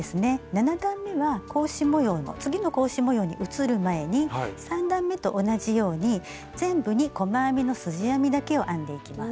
７段めは格子模様の次の格子模様に移る前に３段めと同じように全部に細編みのすじ編みだけを編んでいきます。